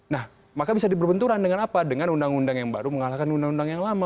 nah maka bisa dibenturan dengan apa dengan undang undang yang baru mengalahkan undang undang yang lama